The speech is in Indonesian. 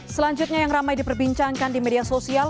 selanjutnya yang ramai diperbincangkan di media sosial